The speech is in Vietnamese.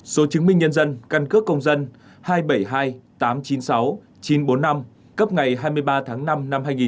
số chứng minh nhân dân căn cước công dân hai bảy hai tám chín sáu chín bốn năm cấp ngày hai mươi ba tháng năm năm hai nghìn một mươi bảy